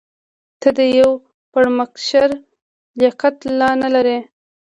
ته د یو پړکمشر لیاقت لا نه لرې.